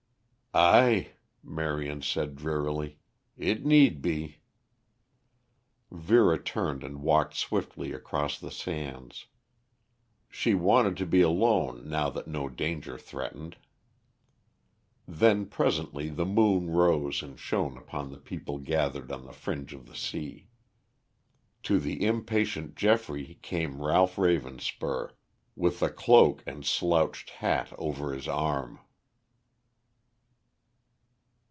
"Ay," Marion said drearily. "It need be." Vera turned and walked swiftly across the sands. She wanted to be alone now that no danger threatened. Then presently the moon rose and shone upon the people gathered on the fringe of the sea. To the impatient Geoffrey came Ralph Ravenspur with a cloak and slouched hat over his arm.